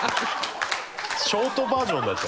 ショートバージョンだった。